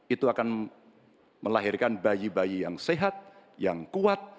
itu akan melahirkan bayi bayi yang sehat yang kuat